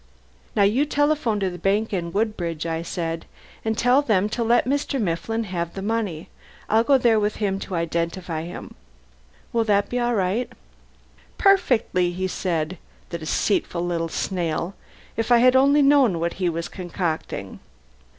"Now you telephone to the bank in Woodbridge," I said, "and tell them to let Mr. Mifflin have the money. I'll go there with him to identify him. Will that be all right?" "Perfectly," he said. The deceitful little snail! If I had only known what he was concocting!